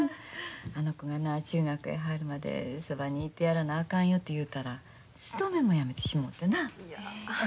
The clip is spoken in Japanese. あの子がな中学へ入るまでそばにいてやらなあかんよて言うたら勤めもやめてしもてな。